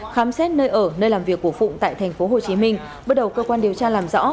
khám xét nơi ở nơi làm việc của phụng tại thành phố hồ chí minh bắt đầu cơ quan điều tra làm rõ